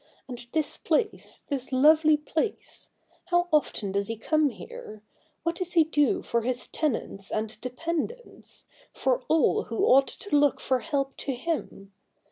And this place— this lovely place — how often does he come here ? What does he do for his tenants and dependants— for all who ought to look for help to him